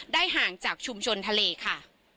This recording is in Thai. ห่างจากชุมชนทะเลค่ะ